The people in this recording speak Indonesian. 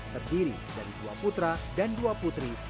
terdiri dari dua putra dan dua putri